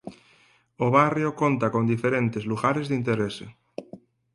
O barrio conta con diferentes lugares de interese.